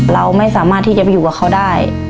เราไม่สามารถที่จะไปอยู่กับเขาได้